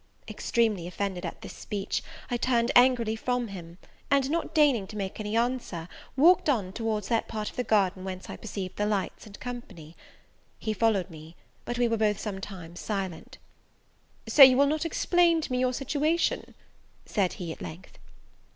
Extremely offended at this speech, I turned angrily from him: and, not deigning to make any answer, walked on towards that part of the garden whence I perceived the lights and company. He followed me; but we were both some time silent. "So you will not explain to me your situation?" said he, at length.